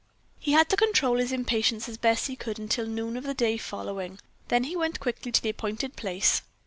He had to control his impatience as best he could until noon of the day following; then he went quickly to the appointed place.